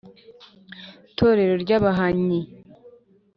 torero ry’abahanyi,